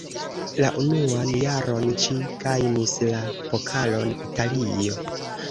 La unuan jaron ĝi gajnis la Pokalon Italio.